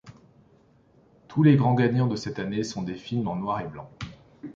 Tous les grands gagnants de cette année sont des films en noir et blanc.